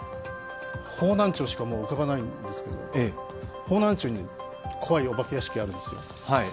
方南町しか浮かばないんですけど、怖いお化け屋敷があるんですよ。